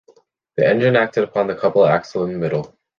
The engine acted upon the coupled axle in the middle.